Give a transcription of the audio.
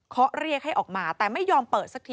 เขาเรียกให้ออกมาแต่ไม่ยอมเปิดสักที